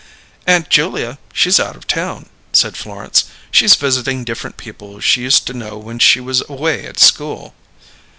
"Aunt Julia? She's out of town," said Florence. "She's visiting different people she used to know when she was away at school."